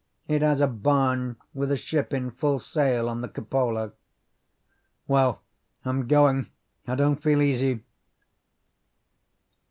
It has a barn with a ship in full sail on the cupola." "Well, I'm going. I don't feel easy."